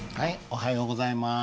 おはようございます。